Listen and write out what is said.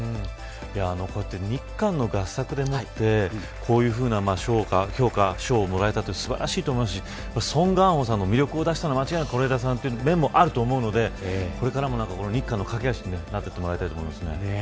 こうやって日韓の合作でもってこういう賞をもらえたのは素晴らしいと思うしソン・ガンホさんの魅力を出したのは間違いなく是枝さんという面もあると思うのでこれからも日韓の懸け橋になっていってもらいたいと思います。